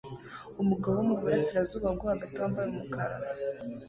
Umugabo wo muburasirazuba bwo hagati wambaye umukara